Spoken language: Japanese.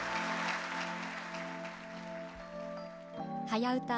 「はやウタ」